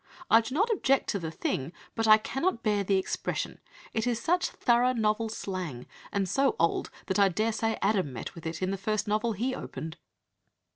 I do not object to the thing, but I cannot bear the expression; it is such thorough novel slang, and so old that I dare say Adam met with it in the first novel he opened...."